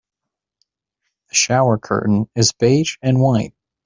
The shower curtain is beige and white.